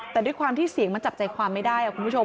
แต่ด้วยความที่เสียงมันจับใจความไม่ได้คุณผู้ชม